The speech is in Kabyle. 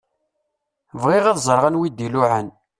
Bɣiɣ ad ẓṛeɣ anwa i d-iluɛan.